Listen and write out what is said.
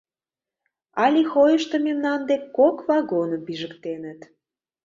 — А Лихойышто мемнан дек кок вагоным пижыктеныт...